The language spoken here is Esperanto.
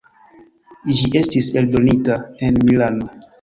Ĝi estis eldonita en Milano.